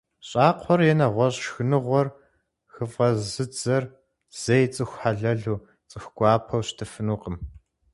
ЩӀакхъуэр е нэгъуэщӀ шхыныгъуэр хыфӀэзыдзэр зэи цӀыху хьэлэлу, цӀыху гуапэу щытыфынукъым.